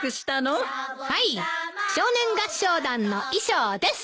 はい少年合唱団の衣装です。